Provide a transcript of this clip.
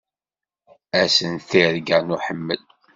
Ass-n n tirga n uḥemmel.